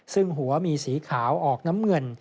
ซึ่งหัวมีสีขาวออกน้ำเงิน